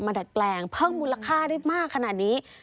ดัดแปลงเพิ่มมูลค่าได้มากขนาดนี้